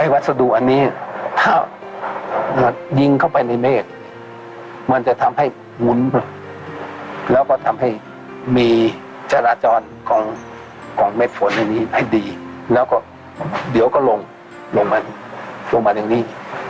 วัสดุอันนี้ถ้ายิงเข้าไปในเมฆมันจะทำให้หมุนแล้วก็ทำให้มีจราจรของเม็ดฝนอันนี้ให้ดีแล้วก็เดี๋ยวก็ลงลงมาลงมาอย่างนี้